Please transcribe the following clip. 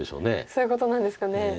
そういうことなんですかね。